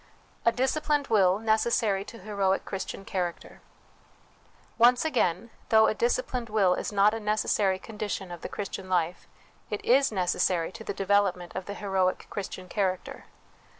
A Disciplined Will necessary to Heroic Chris tian Character. Once again, though a disciplined will is not a necessary condition of the Christian life, it is necessary to the development of the heroic Christian character.